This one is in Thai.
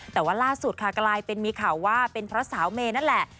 แต่ว่าล่าสุดค่ะกลายเป็นมีข่าวว่าเป็นเพราะสาวเมย์นั่นแหละ